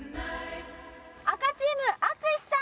赤チーム淳さん